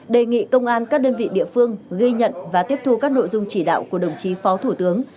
đề nghị công an các đơn vị địa phương ghi nhận và tiếp thu các nội dung chỉ đạo của đồng chí phó thủ tướng